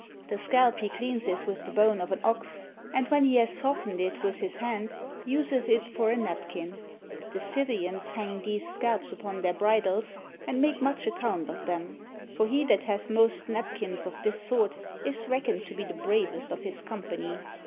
The scalp he cleanses with the bone of an ox, and when he has softened it with his hand, useth it for a napkin. The Scythians 17 RUSSIA hang these scalps upon their bridles and make much ac count of them ; for he that hath most napkins of this sort is reckoned to be the bravest of his company.